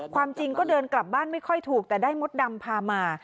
ความจริงก็เดินกลับบ้านไม่ค่อยถูกแต่ได้มดดำพามา